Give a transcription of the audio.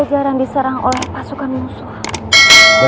dan dia sangat pressure